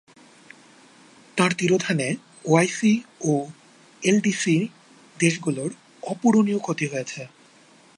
তাঁর তিরোধানে ওআইসি ও এলডিসি দেশগুলোর অপূরণীয় ক্ষতি হয়েছে।